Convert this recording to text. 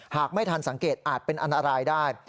หากไม่ทันสังเกตอาจเป็นอันตรายได้